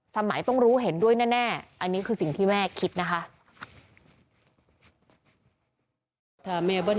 สมัยต้องรู้เห็นด้วยแน่